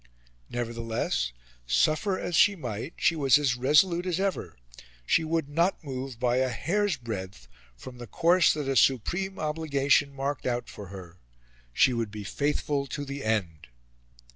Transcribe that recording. Nevertheless, suffer as she might, she was as resolute as ever; she would not move by a hair's breadth from the course that a supreme obligation marked out for her; she would be faithful to the end.